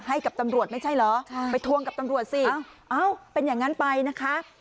ให้กับตำรวจไม่ใช่เหรอไปทวงกับตำรวจสิเอ้าเป็นอย่างนั้นไปนะคะ